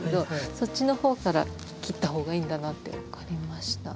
そっちの方から切った方がいいんだなって分かりました。